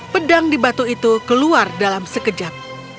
pedang di batu itu keluar dalam sekejap